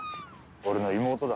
俺の妹だ。